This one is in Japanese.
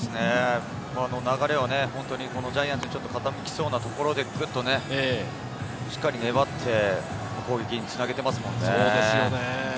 流れがジャイアンツに傾きそうなところで、しっかり粘って攻撃につなげていますものね。